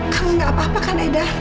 kamu gak apa apa kan eda